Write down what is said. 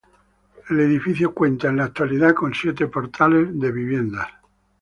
El edificio cuenta, en la actualidad, con siete portales de viviendas.